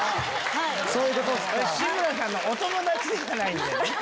志村さんのお友達ではないんだよね。